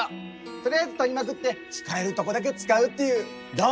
とりあえず撮りまくって使えるとこだけ使うっていうどう？